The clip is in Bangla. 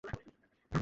কী অবস্থা সবার?